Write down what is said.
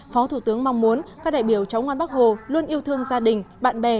phó thủ tướng mong muốn các đại biểu cháu ngoan bắc hồ luôn yêu thương gia đình bạn bè